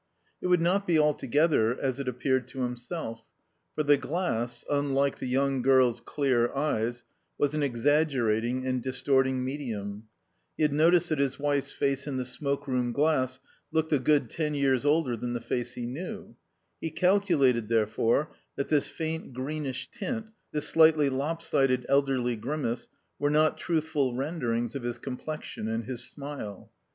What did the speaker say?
It would not be altogether as it appeared to himself; for the glass, unlike the young girl's clear eyes, was an exaggerating and distorting medium; he had noticed that his wife's face in the smoke room glass looked a good ten years older than the face he knew; he calculated, therefore, that this faint greenish tint, this slightly lop sided elderly grimace were not truthful renderings of his complexion and his smile.